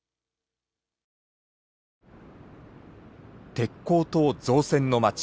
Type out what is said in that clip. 鉄鋼と造船の街